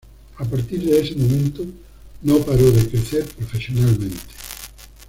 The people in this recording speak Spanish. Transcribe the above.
A partir de ese momento, no paró de crecer profesionalmente.